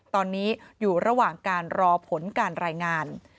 ตอนนี้อยู่ระหว่างการรอผลการรายงาน